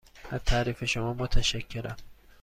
از تعریف شما متشکرم.